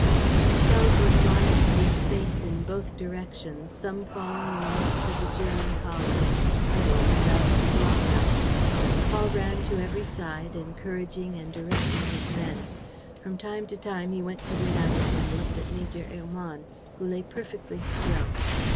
The shells were flying through space in both directions, some falling in the midst of the German columns, others around the blockhouse. Paul ran to every side, encouraging and directing the men. From time to time he went to the attic and looked at Major Hermann, who lay perfectly still.